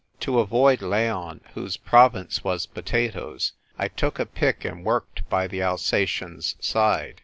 To avoid Leon, whose province was potatoes, I took a pick and worked by the Alsatian's side.